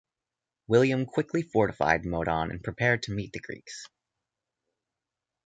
William quickly fortified Modon and prepared to meet the Greeks.